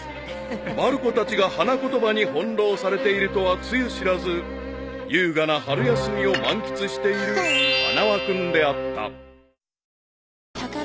［まる子たちが花言葉に翻弄されているとはつゆ知らず優雅な春休みを満喫している花輪君であった］